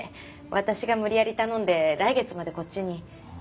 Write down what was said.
私が無理やり頼んで来月までこっちに。